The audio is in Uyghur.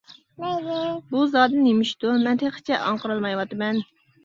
بۇ زادى نېمە ئىشتۇ؟ مەن تېخىچە ئاڭقىرالمايۋاتىمەن.